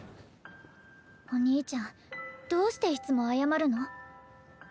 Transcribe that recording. お兄ちゃんどうしていつも謝るの？